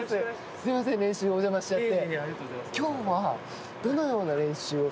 すいません、練習、お邪魔しちゃって。